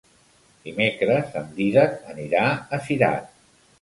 Dimecres en Dídac anirà a Cirat.